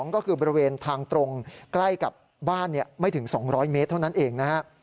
ก็คือบริเวณทางตรงใกล้กับบ้านไม่ถึง๒๐๐เมตรเท่านั้นเองนะฮะ